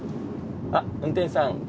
あっ運転手さん。